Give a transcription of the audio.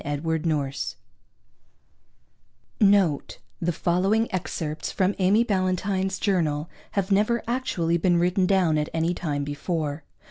SECOND SIGHT (Note: The following excerpts from Amy Ballantine's journal have never actually been written down at any time before.